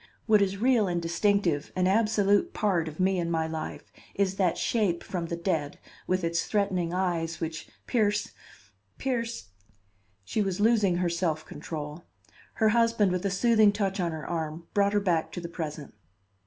What is real and distinctive, an absolute part of me and my life, is that shape from the dead, with its threatening eyes which pierce pierce " She was losing her self control. Her husband, with a soothing touch on her arm, brought her back to the present.